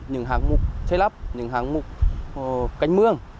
những hàng mục xây lắp những hàng mục cánh mương